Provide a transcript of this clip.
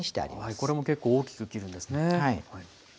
これも結構大きく切るんですね。